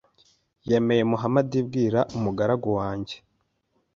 Yewe muhamad bwira abagaragu banjye